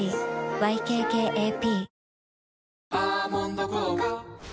ＹＫＫＡＰ